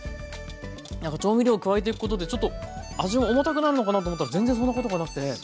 なんか調味料加えていくことでちょっと味が重たくなるのかなと思ったら全然そんなことがなくて。